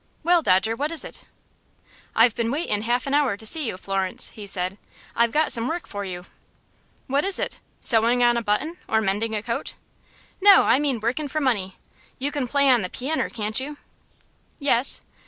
"Well, Dodger, what is it?" "I've been waitin' half an hour to see you, Florence," he said. "I've got some work for you." "What is it sewing on a button, or mending a coat?" "No, I mean workin' for money. You can play on the pianner, can't you?" "Yes."